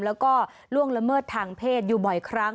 แล้วก็ล่วงละเมิดทางเพศอยู่บ่อยครั้ง